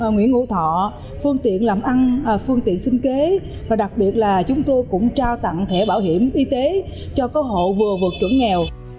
nguyễn ngũ thọ phương tiện làm ăn phương tiện sinh kế và đặc biệt là chúng tôi cũng trao tặng thẻ bảo hiểm y tế cho các hộ vừa vượt chuẩn nghèo